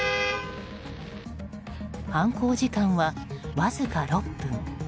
犯行時間はわずか６分。